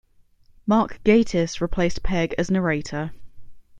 Mark Gatiss replaced Pegg as narrator.